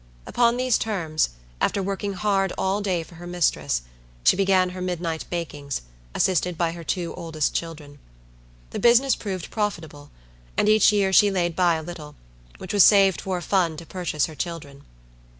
Upon these terms, after working hard all day for her mistress, she began her midnight bakings, assisted by her two oldest children. The business proved profitable; and each year she laid by a little, which was saved for a fund to purchase her children.